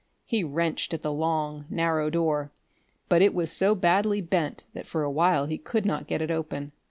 He wrenched at the long, narrow door, but it was so badly bent that for a while he could not get it open.